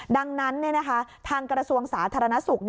ดังนั้นเนี่ยนะคะทางกระทรวงสาธารณสุข